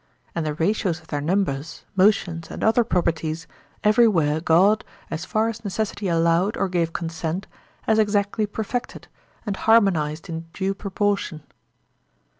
And the ratios of their numbers, motions, and other properties, everywhere God, as far as necessity allowed or gave consent, has exactly perfected, and harmonized in due proportion.